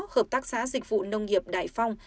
hợp tác xã dịch vụ nông nghiệp đại phong